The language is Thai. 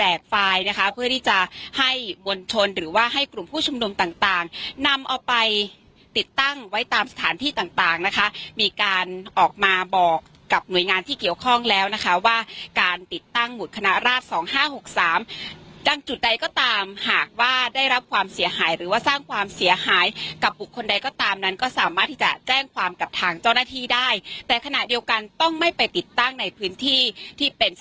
ไฟล์นะคะเพื่อที่จะให้มวลชนหรือว่าให้กลุ่มผู้ชุมนุมต่างต่างนำเอาไปติดตั้งไว้ตามสถานที่ต่างต่างนะคะมีการออกมาบอกกับหน่วยงานที่เกี่ยวข้องแล้วนะคะว่าการติดตั้งหมุดคณะราชสองห้าหกสามดังจุดใดก็ตามหากว่าได้รับความเสียหายหรือว่าสร้างความเสียหายกับบุคคลใดก็ตามนั้นก็สามารถที่จะแจ้งความกับทางเจ้าหน้าที่ได้แต่ขณะเดียวกันต้องไม่ไปติดตั้งในพื้นที่ที่เป็นส